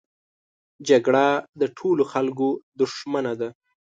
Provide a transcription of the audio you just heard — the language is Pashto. جګړه د ټولو خلکو دښمنه ده